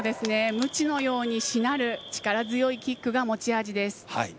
むちのように、しなる力強いキックが持ち味です。